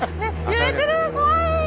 揺れてる怖い！